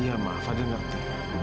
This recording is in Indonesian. iya ma fadil ngerti